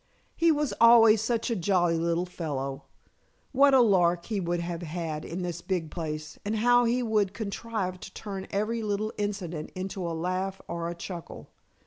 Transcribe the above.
He was always such a jolly little fellow. What a lark he would have had in this big place and how he would contrive to turn every little incident into a laugh or a chuckle?